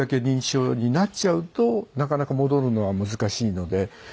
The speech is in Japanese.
認知症になっちゃうとなかなか戻るのは難しいので。